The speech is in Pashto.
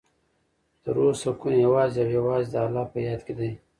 د روح سکون یوازې او یوازې د الله په یاد کې دی.